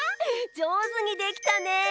じょうずにできたね。